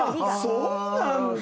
そうなんだ！